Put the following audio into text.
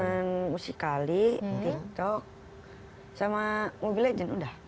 cuman musikali tiktok sama mobile legends udah